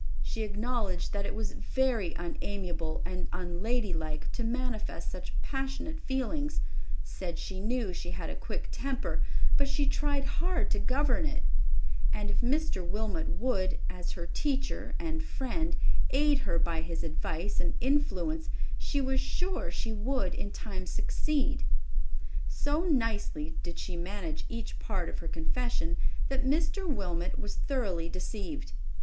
She acknowledged that it was very unamiable and unladylike to manifest such passionate feelings, said she knew she had a quick temper, but she tried hard to govern it; and if Mr. Wilmot would, as her teacher and friend, aid her by his advice and influence, she was sure she would in time succeed. So nicely did she manage each part of her confession that Mr. Wilmot was thoroughly deceived.